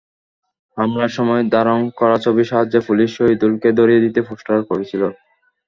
হামলার সময় ধারণ করা ছবির সাহায্যে পুলিশ শহিদুলকে ধরিয়ে দিতে পোস্টার করেছিল।